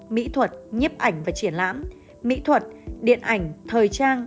mỹ thuật nhiếp ảnh và triển lãm mỹ thuật điện ảnh thời trang